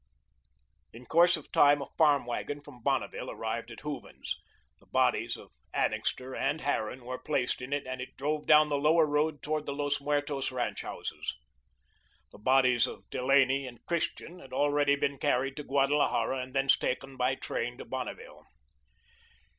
In course of time, a farm wagon from Bonneville arrived at Hooven's. The bodies of Annixter and Harran were placed in it, and it drove down the Lower Road towards the Los Muertos ranch houses. The bodies of Delaney and Christian had already been carried to Guadalajara and thence taken by train to Bonneville.